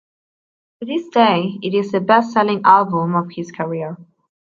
To this day, it is the best-selling album of his career.